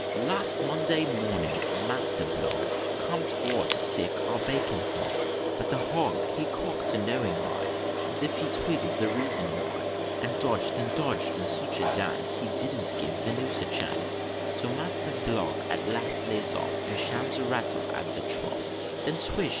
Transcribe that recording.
"Last Monday morning, Master Blogg Com'd for to stick our bacon hog; But th' hog he cock'd a knowing eye, As if he twigg'd the reason why, And dodg'd and dodg'd 'un such a dance, He didn't give the noose a chance; So Master Blogg at last lays off, And shams a rattle at the trough, When swish!